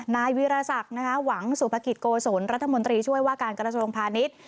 นายวิรสักหวังสุภกิจโกศลรัฐมนตรีช่วยว่าการกระทรวงพาณิชย์